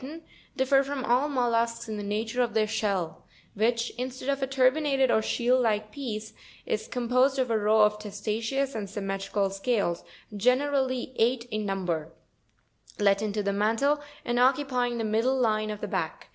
79), differ from all mollusks, in the nature of their shell, which, instead of a tur binated or shield like piece, is com posed of a row of testaceous and symmetrical scales, generally eight in number, let into the mantle, and occupying the middle line of the back.